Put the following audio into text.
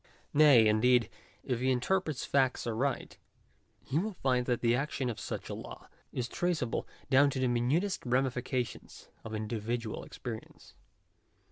Nay, indeed, if he interprets facts aright, he will find that the action of such a law, is traceable down to the minutest ramifications of individual experience.